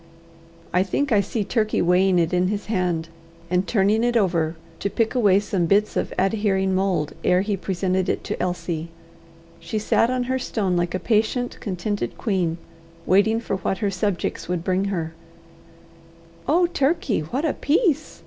I think I see Turkey weighing it in his hand, and turning it over to pick away some bits of adhering mould ere he presented it to Elsie. She sat on her stone like a patient, contented queen, waiting for what her subjects would bring her. "Oh, Turkey! what a piece!"